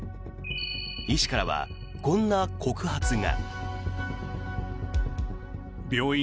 医師からは、こんな告発が。